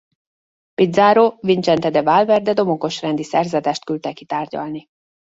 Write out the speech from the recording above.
Pizarro Vincente de Valverde domonkos rendi szerzetest küldte ki tárgyalni.